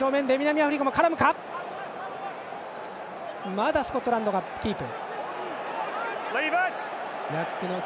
まだスコットランドがキープ。